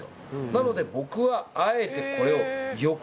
なので僕はあえてこれを。